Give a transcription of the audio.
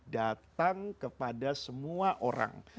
datang kepada semua orang